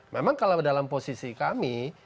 memang kalau dalam posisi kami